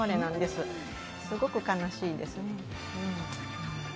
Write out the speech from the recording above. すごく悲しいですね。